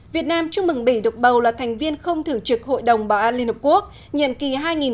việt nam chúc mừng bỉ độc bầu là thành viên không thưởng trực hội đồng bảo an liên hợp quốc nhiệm kỳ hai nghìn một mươi chín hai nghìn hai mươi